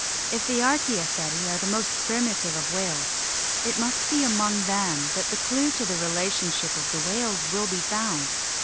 If the Archaeoceti are the most primitive of whales, it must be among them that the clue to the relation ship of the whales will be found.